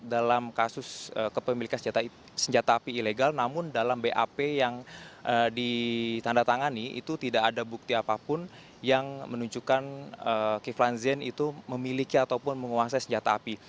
dalam kasus kepemilikan senjata api ilegal namun dalam bap yang ditandatangani itu tidak ada bukti apapun yang menunjukkan kiflan zen itu memiliki ataupun menguasai senjata api